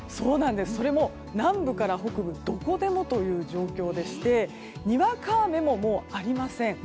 それも南部から北部どこでもという状況でしてにわか雨もありません。